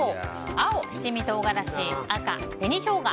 青、七味唐辛子赤、紅ショウガ